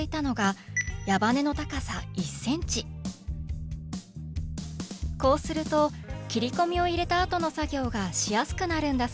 こうすると切り込みを入れたあとの作業がしやすくなるんだそうです。